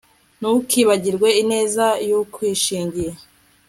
ntukibagirwe ineza y'ukwishingiye